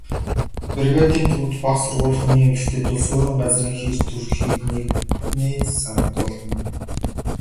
Бригадын төвд бага сургууль, хүний эмнэлэгтэй тул суурин газрын хэр төрхийг нэгнээ санагдуулна.